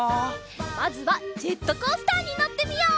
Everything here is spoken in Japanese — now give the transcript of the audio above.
まずはジェットコースターにのってみよう！